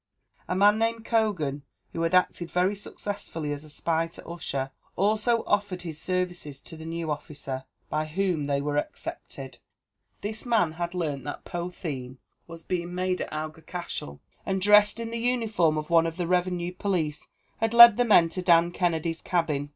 A man named Cogan, who had acted very successfully as a spy to Ussher, also offered his services to the new officer, by whom they were accepted. This man had learnt that potheen was being made at Aughacashel, and, dressed in the uniform of one of the Revenue police, had led the men to Dan Kennedy's cabin.